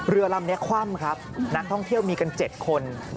เรือลำนี้คว่ำครับนักท่องเที่ยวมีกัน๗คน